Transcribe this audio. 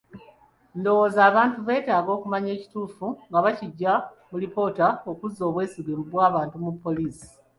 Ndowooza abantu beetaaga okumanya ekituufu nga bakiggya mu alipoota, okuzza obwesige bw'abantu mu poliisi.